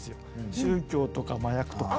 宗教とか麻薬とか。